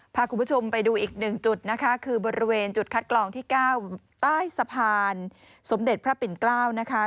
พาคุณผู้ชมไปดูอีกหนึ่งจุดนะคะคือบริเวณจุดคัดกรองที่๙ใต้สะพานสมเด็จพระปิ่นเกล้านะคะ